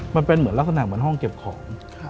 มันเป็นเหมือนลักษณะเหมือนห้องเก็บของ